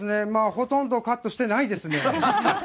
ほとんどカットしてないですね。